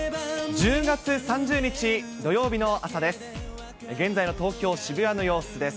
１０月３０日土曜日の朝です。